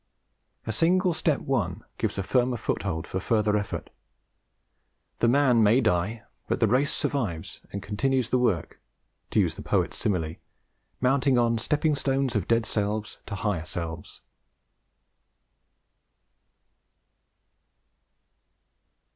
A single step won gives a firmer foothold for further effort. The man may die, but the race survives and continues the work, to use the poet's simile, mounting on stepping stones of dead selves to higher selves.